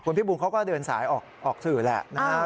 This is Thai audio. คุณพี่บูนเขาก็เดินสายออกสื่อแหละ